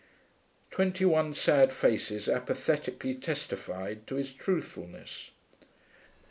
Twenty one sad faces apathetically testified to his truthfulness.